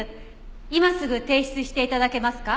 今すぐ提出して頂けますか？